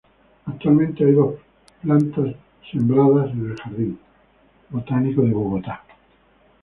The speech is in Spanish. Actualmente hay dos plantas sembradas en el Jardín Botánico de Bogotá.